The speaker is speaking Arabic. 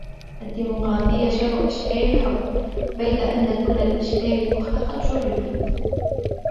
الديموقراطية شر أشكال الحكم ، بيد أن كل الأشكال الأخرى قد جُرّبت.